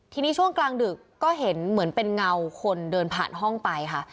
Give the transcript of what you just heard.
ทีนี้ช่วงกลางดึกก็เห็นเหมือนเป็นเงาคนเดินผ่านห้องไปค่ะ